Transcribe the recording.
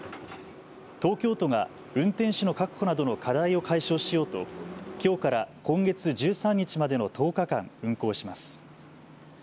東京都が運転手の確保などの課題を解消しようと、きょうから今月１３日までの１０日間運行します。